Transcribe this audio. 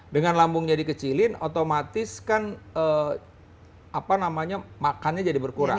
dengan lambungnya dikecilin otomatis kan apa namanya makannya jadi berkurang